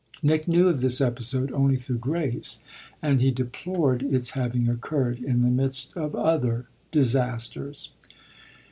Nick knew of this episode only through Grace, and he deplored its having occurred in the midst of other disasters.